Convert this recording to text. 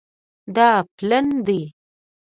دا پلن دی